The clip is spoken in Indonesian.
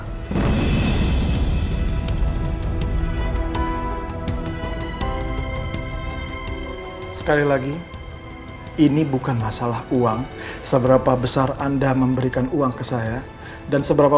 hai sekali lagi ini bukan masalah uang seberapa besar anda memberikan uang ke saya dan seberapa